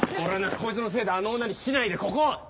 こいつのせいであの女に竹刀でここを。